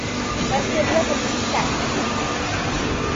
Mae'r dirwedd yn rhy serth i gerdded.